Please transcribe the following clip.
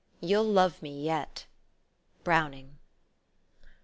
You'll love me yet! " BROWNING.